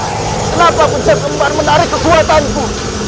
kenapa puncak kembar menarik kekuatanku